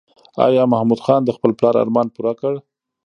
ایا محمود خان د خپل پلار ارمان پوره کړ؟